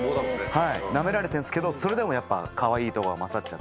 はいナメられてるんですけどそれでもやっぱかわいい度が勝っちゃって。